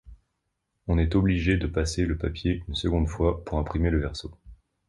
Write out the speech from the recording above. On est obligé de passer le papier une seconde fois pour imprimer le verso.